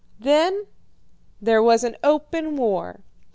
"Then there was open war.